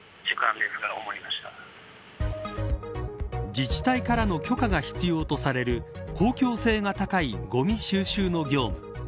自治体からの許可が必要とされる公共性が高いごみ収集の業務。